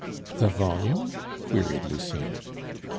"The volume?" queried Lucien.